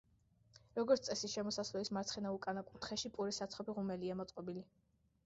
როგორც წესი, შესასვლელის მარცხენა უკანა კუთხეში პურის საცხობი ღუმელია მოწყობილი.